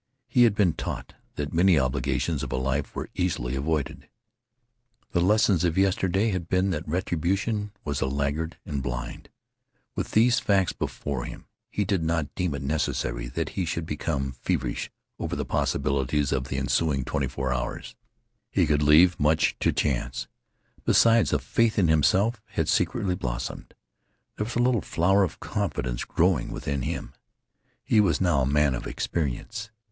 He had been taught that many obligations of a life were easily avoided. The lessons of yesterday had been that retribution was a laggard and blind. With these facts before him he did not deem it necessary that he should become feverish over the possibilities of the ensuing twenty four hours. He could leave much to chance. Besides, a faith in himself had secretly blossomed. There was a little flower of confidence growing within him. He was now a man of experience.